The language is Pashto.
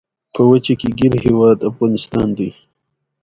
کانديد اکاډميسن عطایي د خپل ولس ادبي بیداري ته ژمن و.